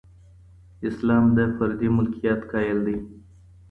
اسلام د فردي ملکیت قایل دی.